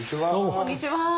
こんにちは。